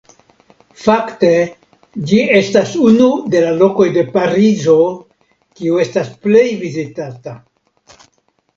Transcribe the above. Fakte ĝi estas unu de la lokoj de Parizo kiu estas plej vizitata.